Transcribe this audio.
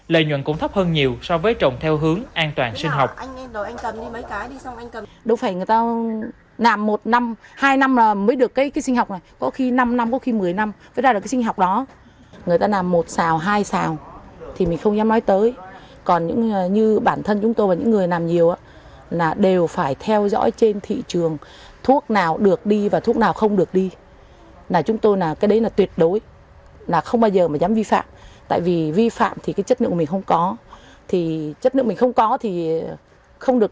lợi nhuận cũng thấp hơn nhiều so với trồng theo hướng an toàn sinh học